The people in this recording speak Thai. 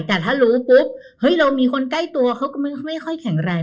แต่ถ้ารู้ปุ๊บเฮ้ยเรามีคนใกล้ตัวเขาก็ไม่ค่อยแข็งแรง